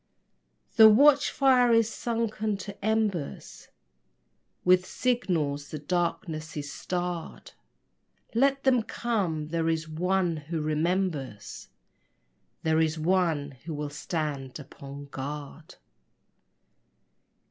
The watch fire is sunken to embers, With signals the darkness is starred. Let them come! There is one who remembers There is one who will stand upon guard.